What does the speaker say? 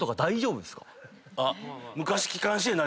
あっ！